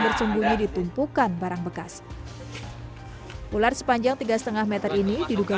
bersembunyi ditumpukan barang bekas ular sepanjang tiga lima meter ini diduga